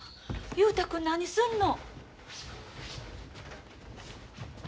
雄太君何すんの？